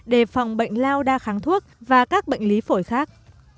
đề phòng bệnh lao đa kháng thuốc và các bệnh lý phổi khác